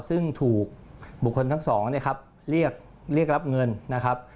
ซึ่งถูกบุคคลทั้งสองเนี่ยครับเรียกรับเงินนะครับ